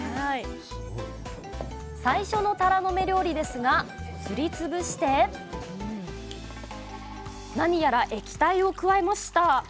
最初のタラの芽料理ですがすり潰して何やら液体を加えました！